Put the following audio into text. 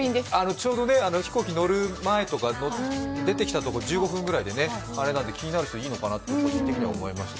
ちょうど飛行機乗る前とか出てきたとこ１５分ぐらいであれなんで気になる人はいいのかなって個人的には思いました。